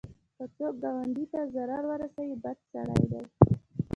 که څوک ګاونډي ته ضرر ورسوي، بد سړی دی